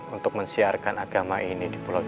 untuk mensiarkan agama ini di pulau jawa